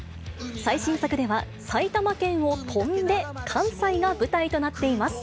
最新作では、埼玉県を翔んで、関西が舞台となっています。